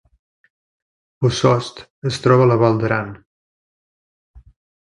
Bossòst es troba a la Val d’Aran